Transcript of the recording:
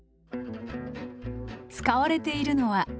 使われているのはゲンゲ。